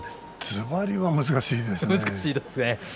ずばりは難しいですね。